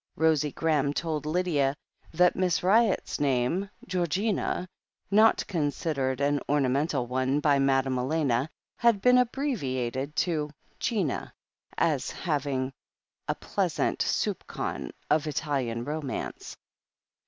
Rosie Graham told Lydia that Miss Ryott's name, Georgina, not considered an ornamental one by Madame Elena, had been abbreviated to Gina, as hav ing a pleasant soupgon of Italian romance.